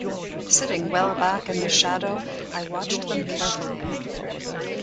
Sitting well back in the shadow I watched them carefully.